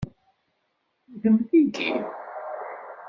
Ddem tigi.